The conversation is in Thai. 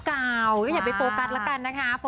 เพราะเรื่องนี้คงมันเป็นที่แข็งแรง